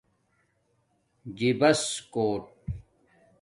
جِباس کوٹ